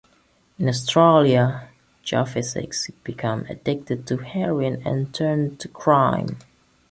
In Australia, Jovicic became addicted to heroin and turned to crime.